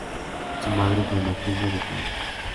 Su madre fue Matilda de Flandes.